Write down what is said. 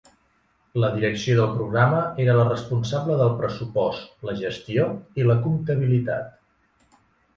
La Direcció del Programa era la responsable del pressupost, la gestió i la comptabilitat.